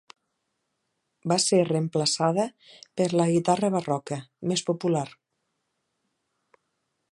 Va ser reemplaçada per la guitarra barroca, més popular.